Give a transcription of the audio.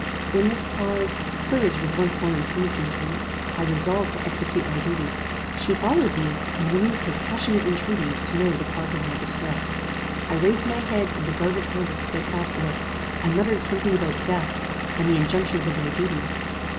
In this pause, courage was once more infused into me. I resolved to execute my duty. She followed me, and renewed her passionate entreaties to know the cause of my distress. "I raised my head and regarded her with stedfast looks. I muttered something about death, and the injunctions of my duty.